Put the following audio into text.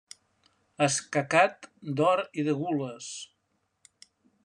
Escacat, d'or i de gules.